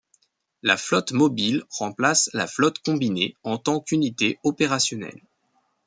La Flotte Mobile remplace la Flotte Combinée en tant qu'unité opérationnelle.